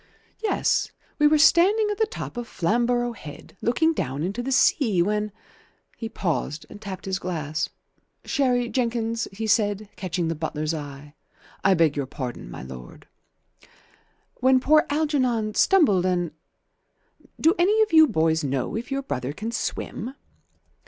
"Yes. We were standing at the top of Flamborough Head, looking down into the sea, when " He paused and tapped his glass, "Sherry, Jenkins," he said, catching the butler's eye. "I beg your pardon, my lord." " When poor Algernon stumbled and Do any of you boys know if your brother can swim?"